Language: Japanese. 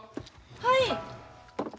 はい。